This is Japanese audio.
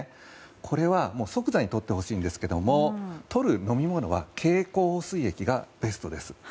これは即座にとってほしいんですけども飲み物は経口補水液がベストです。